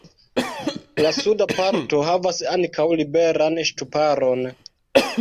La suda parto havas ankaŭ liberan ŝtuparon.